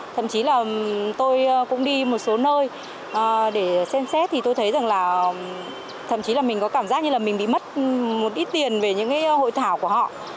thậm chí là tôi cũng đi một số nơi để xem xét thì tôi thấy rằng là thậm chí là mình có cảm giác như là mình bị mất một ít tiền về những cái hội thảo của họ